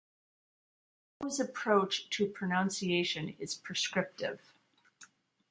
Ho's approach to pronunciation is prescriptive.